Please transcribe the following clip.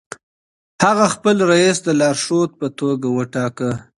هغې خپل رییس د لارښود په توګه وټاکه.